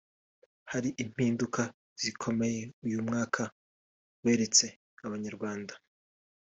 Hari impinduka zikomeye uyu mwaka weretse Abanyarwanda